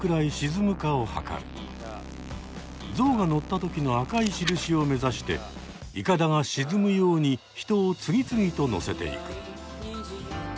ゾウが乗った時の赤い印を目指していかだが沈むように人を次々と乗せていく。